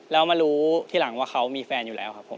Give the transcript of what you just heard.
แล้วมารู้ทีหลังว่าเขามีแฟนอยู่แล้วครับผม